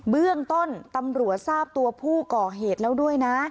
เบื้องต้นตำรวจทราบตัวผู้ก่อเหตุแล้วด้วยนะ